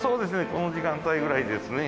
この時間帯ぐらいですね。